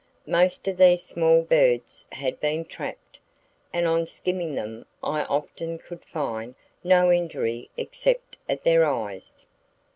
Most of these small birds had been trapped, and on skinning them I often could find no injury except at their eyes.